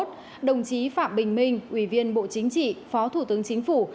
đồng chí phạm bình minh ủy viên bộ chính trị phó thủ tướng chính phủ